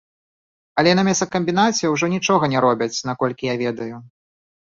Але на мясакамбінаце ўсё ж нічога не робяць, наколькі я ведаю.